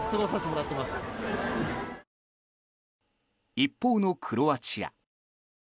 一方のクロアチア。